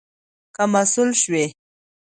که مسؤول شوې